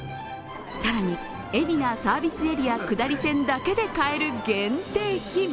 更に、海老名サービスエリア下り線だけで買える限定品。